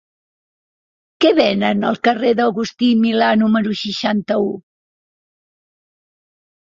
Què venen al carrer d'Agustí i Milà número seixanta-u?